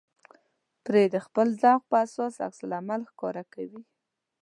پرې د خپل ذوق په اساس عکس العمل ښکاره کوي.